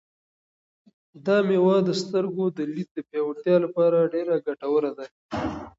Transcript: دا مېوه د سترګو د لید د پیاوړتیا لپاره ډېره ګټوره ده.